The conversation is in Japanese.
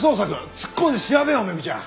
突っ込んで調べようメグちゃん。